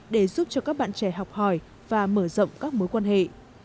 để giúp cho các bạn trẻ học hỏi và mở rộng các mối quan hệ